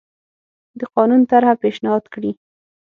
د قانون طرحه پېشنهاد کړي.